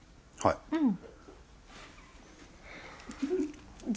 うん。